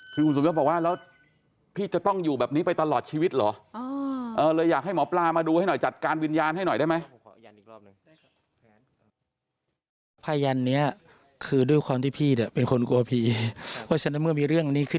คืออุงสุเบียบบอกว่าแล้วพี่จะต้องอยู่แบบนี้ไปตลอดชีวิตเหรอ